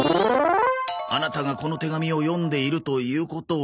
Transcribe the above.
「あなたがこの手紙を読んでいるということは」。